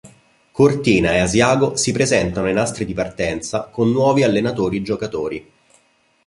Cortina e Asiago si presentano ai nastri di partenza con nuovi allenatori-giocatori.